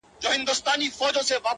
ټولي دنـيـا سره خــبري كـــوم.